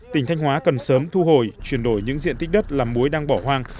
tỉnh thanh hóa cần sớm thu hồi chuyển đổi những diện tích đất làm muối đang bỏ hoang